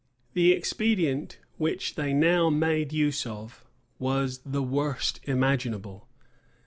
The expedient which they now made use of was the worst imaginable.